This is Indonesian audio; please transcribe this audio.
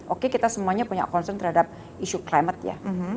oke kita semuanya punya concern terhadap isu climate ya